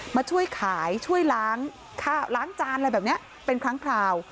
มาช่วยขายช่วยล้างข้าวล้างจานอะไรแบบนี้เป็นครั้งคราว